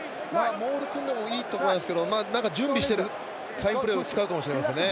モール組んでもいいところですけど準備してるので、サインプレーを使うかもしれませんね。